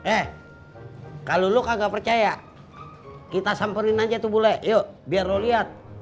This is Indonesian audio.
eh kalo lu kan gak percaya kita samperin aja tuh bule yuk biar lu liat